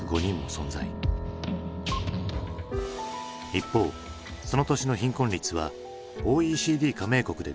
一方その年の貧困率はＯＥＣＤ加盟国で第３位。